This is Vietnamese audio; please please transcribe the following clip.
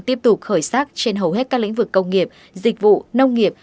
tiếp tục khởi sắc trên hầu hết các lĩnh vực công nghiệp dịch vụ nông nghiệp